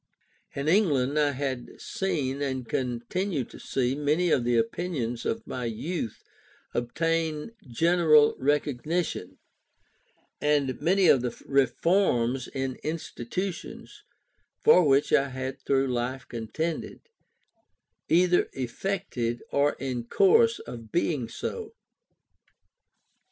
In England, I had seen and continued to see many of the opinions of my youth obtain general recognition, and many of the reforms in institutions, for which I had through life contended, either effected or in course of being so.